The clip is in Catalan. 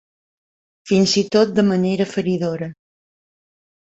Fins i tot de manera feridora.